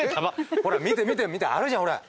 ほら見て見てあるじゃんほら。